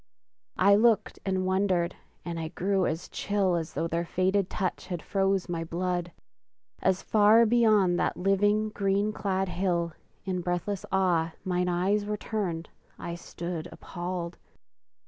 I looked and wondered, and I grew as chill As though their fated touch had froze my blood; As far beyond that living, green clad hill, In breathless awe, mine eyes were turned, I stood Appalled!